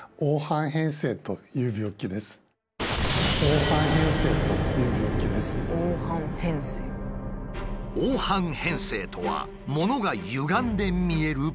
「黄斑変性」とはものがゆがんで見える病気。